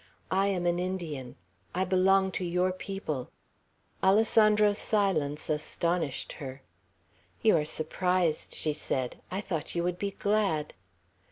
I am an Indian. I belong to your people." Alessandro's silence astonished her. "You are surprised," she said. "I thought you would be glad."